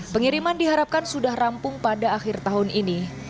pengiriman diharapkan sudah rampung pada akhir tahun ini